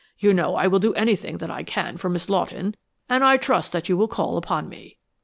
You know I will do anything that I can for Miss Lawton and I trust that you will call upon me."